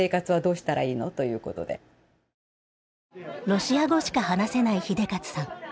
ロシア語しか話せない英捷さん。